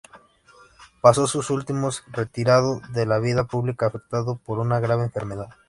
Pasó sus últimos retirado de la vida pública, afectado por una grave enfermedad.